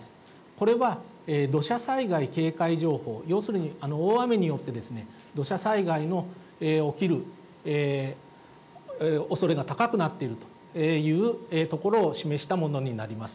これは土砂災害警戒情報、要するに、大雨によってですね、土砂災害の起きるおそれが高くなっているという所を示したものになります。